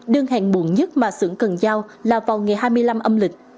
đơn hàng muộn nhất mà xưởng cần giao là vào ngày hai mươi năm âm lịch